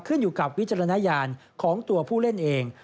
ขึ้นอยู่กับวิจารณญาณของตัวผู้เล่นเอง